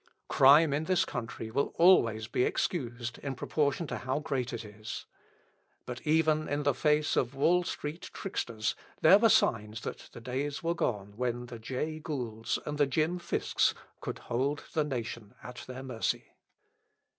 Crime in this country will always be excused in proportion to how great it is. But even in the face of Wall Street tricksters there were signs that the days were gone when the Jay Goulds and the Jim Fisks could hold the nation at their mercy.